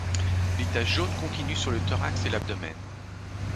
Les taches jaunes continuent sur le thorax et l'abdomen.